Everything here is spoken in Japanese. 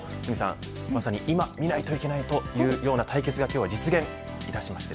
まさに、今見ないといけないというような対決が今日は実現いたしました。